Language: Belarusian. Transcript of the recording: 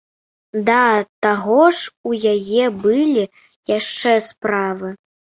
Да таго ж, у яе былі яшчэ справы.